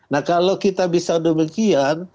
nah kalau kita bisa demikian